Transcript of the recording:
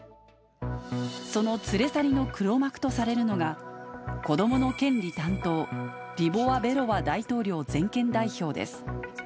その連れ去りの黒幕とされるのが、子どもの権利担当、リボワベロワ大統領全権代表です。